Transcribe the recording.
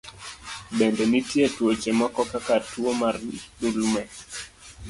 Bende, nitie tuoche moko kaka tuo mar ndulme.